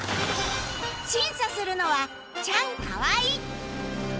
審査するのはチャンカワイ